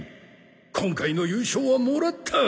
今回の優勝はもらったわい！